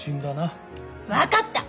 分かった！